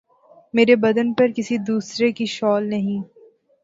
مرے بدن پہ کسی دوسرے کی شال نہیں